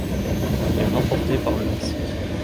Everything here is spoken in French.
Il est remporté par le Mexique.